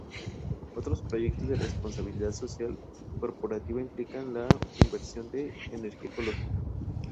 Otros proyectos de responsabilidad social corporativa implican la inversión en energía ecológica.